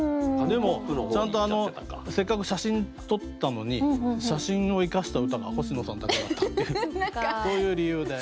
でもちゃんとせっかく写真撮ったのに写真を生かした歌が星野さんだけだったっていうそういう理由で。